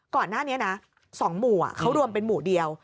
ก่อนหน้านี้นะ๒หมู่เขารวมเป็นหมู่เดียว